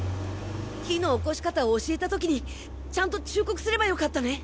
火のおこし方を教えた時にちゃんと忠告すればよかったね。